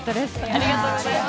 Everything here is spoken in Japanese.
ありがとうございます。